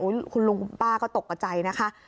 อุ๊ยคุณลุงคุณป้าก็ตกใจนะคะ